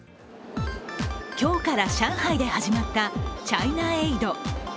今日から上海で始まったチャイナエイド。